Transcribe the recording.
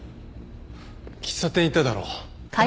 喫茶店行っただろ？